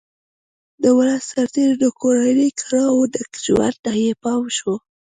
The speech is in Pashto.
د ولسي سرتېرو د کورنیو کړاوه ډک ژوند ته یې پام شو